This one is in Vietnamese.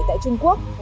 tại trung quốc